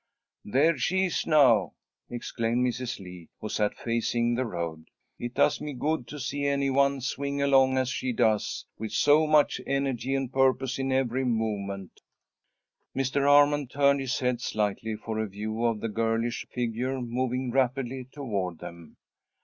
"There she is now," exclaimed Mrs. Lee, who sat facing the road. "It does me good to see any one swing along as she does, with so much energy and purpose in every movement." Mr. Armond turned his head slightly for a view of the girlish figure moving rapidly toward them.